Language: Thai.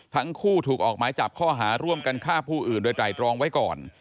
ทั้งคู่ถูกออกหมายจับข้อหาร่วมกันฆ่าผู้อื่นโดยไตรรองไว้ก่อน